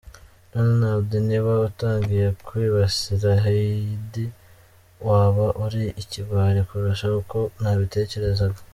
Donald niba utangiye kwibasira Heidi, waba uri ikigwari kurusha uko nabitekerezaga.